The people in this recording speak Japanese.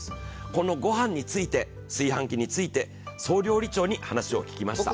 この御飯について、炊飯器について総料理長に話を聞きました。